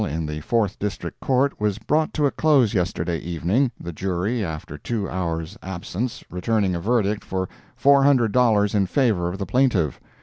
in the Fourth District Court, was brought to a close yesterday evening, the jury, after two hours' absence, returning a verdict for four hundred dollars in favor of the plaintiff.